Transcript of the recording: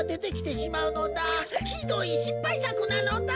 ひどいしっぱいさくなのだ！